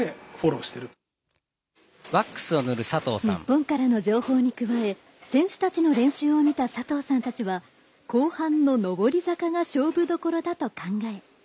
日本からの情報に加え選手たちの練習を見た佐藤さんは後半の上り坂が勝負どころだと考え